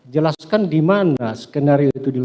jelaskan di mana skenario itu dilakukan